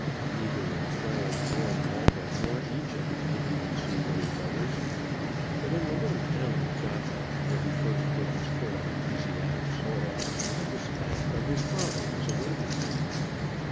Neither in France, nor Malta, nor Egypt did he receive any letters; but in the little town of Jaffa, where he first put his foot on Asiatic soil, a despatch from his father was awaiting him.